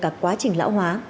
các quá trình lão hóa